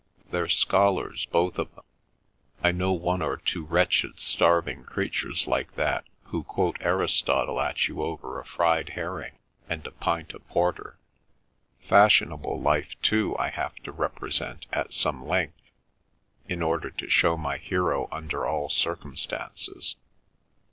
They're scholars, both of them. I know one or two wretched starving creatures like that who quote Aristotle at you over a fried herring and a pint of porter. Fashionable life, too, I have to represent at some length, in order to show my hero under all circumstances.